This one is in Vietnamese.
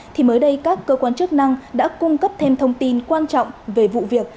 thì mới đây các cơ quan chức năng đã cung cấp thêm thông tin quan trọng về vụ việc